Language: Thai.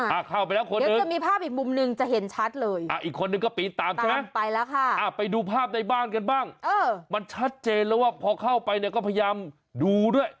อ่าเข้าไปแล้วคนหนึ่งเดี๋ยวก็มีภาพอีกมุมหนึ่งจะเห็นชัดเลย